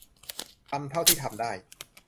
ทำเท่าที่ทำได้